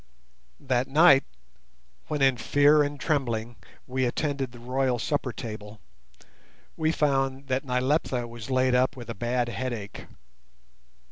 That night, when in fear and trembling we attended the royal supper table, we found that Nyleptha was laid up with a bad headache.